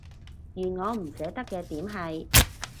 而我唔捨得嘅點係